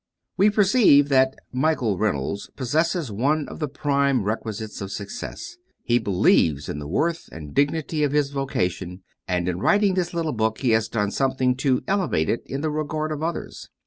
We perceive that Michael Reynolds possesses one of the prime requisites of success: he believes in the worth and dignity of his vocation; and in writing this little book he has done something to elevate it in the regard of others.